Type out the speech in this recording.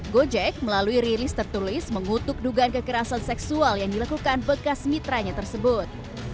gojek melalui rilis tertulis mengutuk dugaan kekerasan seksual yang dilakukan bekas mitranya tersebut